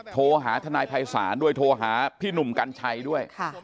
โทรหาทนายภัยศาลด้วยโทรหาพี่หนุ่มกัญชัยด้วย